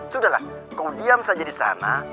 sudahlah kau diam saja di sana